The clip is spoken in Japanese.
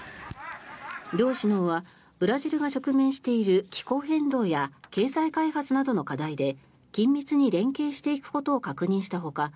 両首脳はブラジルが直面している気候変動や経済開発などの課題で緊密に連携していくことを確認したほか